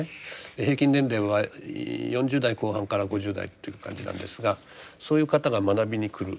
平均年齢は４０代後半から５０代という感じなんですがそういう方が学びに来る。